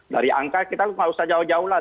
dari angka kita nggak usah jauh jauh lah